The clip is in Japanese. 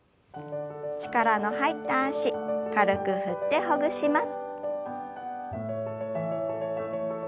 力の入った脚軽く振ってほぐします。